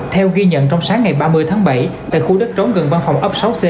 theo ghi nhận trong sáng ngày ba mươi tháng bảy tại khu đất trống gần văn phòng ấp sáu c